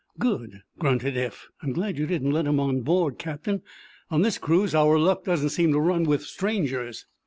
"Good!" grunted Eph. "I'm glad you didn't let him on board, Captain. On this cruise our luck doesn't seem to run with strangers."